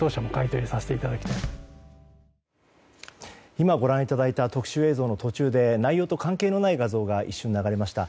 今、ご覧いただいた特集映像の途中で内容と関係のない画像が一瞬流れました。